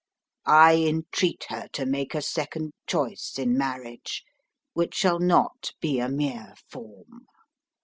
I entreat her to make a second choice in marriage, which shall not be a mere form.